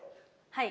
はい。